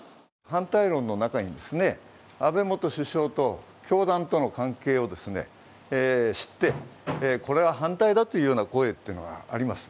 反対論の中に安倍元首相と教団との関係を知って、これは反対だというような声があります。